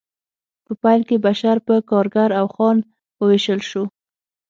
په پیل کې بشر په کارګر او خان وویشل شو